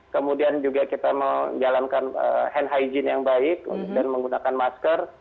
kemudian juga kita menjalankan hand hygiene yang baik dan menggunakan masker